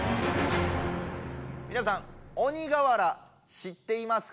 みなさん鬼瓦知っていますか？